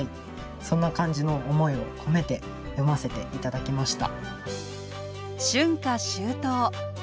そんな感じの思いを込めて詠ませて頂きました。